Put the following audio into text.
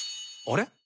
あれ？